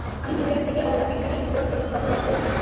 আমি মেরিল্যান্ড থেকে অপরাধবিজ্ঞানের উপর ডক্টরেট করেছি।